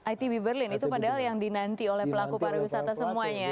itb berlin itu padahal yang dinanti oleh pelaku pariwisata semuanya